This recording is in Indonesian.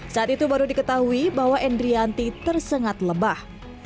saat itu baru diketahui bahwa endrianti tersengat lebah